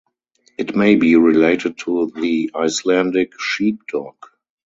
It may be related to the Icelandic Sheepdog.